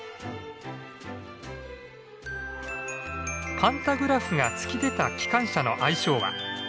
パンタグラフが突き出た機関車の愛称はかぶとむし。